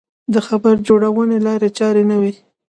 د خبر جوړونې لارې چارې نه وې.